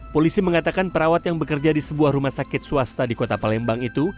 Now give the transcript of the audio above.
polisi mengatakan perawat yang bekerja di sebuah rumah sakit swasta di kota palembang itu